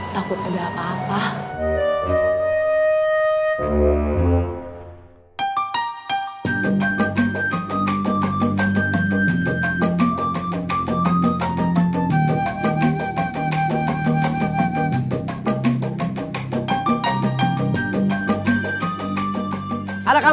takut ada apa apa